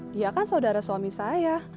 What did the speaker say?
dia kan saudara suami saya